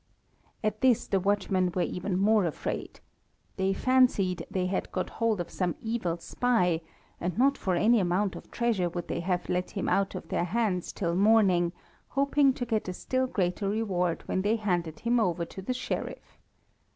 At this the watchmen were even more afraid. They fancied they had got hold of some evil spy, and not for any amount of treasure would they have let him out of their hands till morning, hoping to get a still greater reward when they handed him over to the Sheriff.